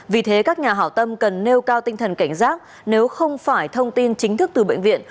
vì thế các nhà hảo tâm cần nêu cao tinh thần cảnh giác nếu không phải thông tin chính thức từ bệnh viện